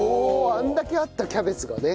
あれだけあったキャベツがね